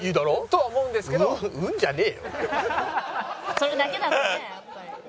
それだけだとねやっぱり。